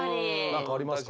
何かありますか？